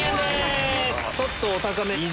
ちょっとお高め